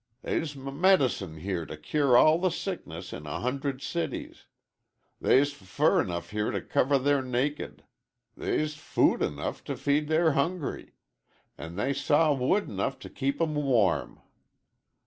They's m med'cine here t' cure all the sickness in a hunderd cities; they's f fur 'nough here t' c cover their naked they's f food'nough t' feed their hungry an' they's w wood 'nough t' keep 'em w warm.